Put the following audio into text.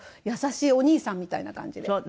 優しいお兄さんみたいな感じで。